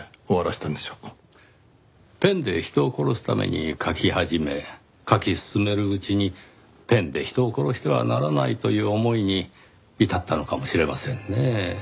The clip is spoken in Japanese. ペンで人を殺すために書き始め書き進めるうちにペンで人を殺してはならないという思いに至ったのかもしれませんねぇ。